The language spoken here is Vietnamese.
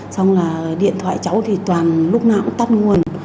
xong là điện thoại cháu thì toàn lúc nào cũng tắt nguồn